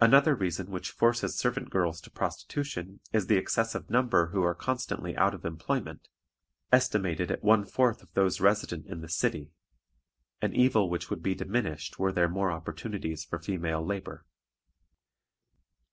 Another reason which forces servant girls to prostitution is the excessive number who are constantly out of employment, estimated at one fourth of those resident in the city, an evil which would be diminished were there more opportunities for female labor.